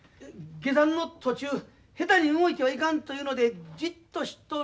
下山の途中下手に動いてはいかんというのでじっとしとるんやと思います。